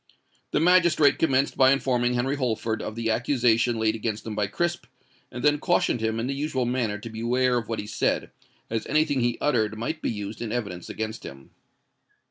The magistrate commenced by informing Henry Holford of the accusation laid against him by Crisp, and then cautioned him in the usual manner to beware of what he said, as anything he uttered might be used in evidence against him.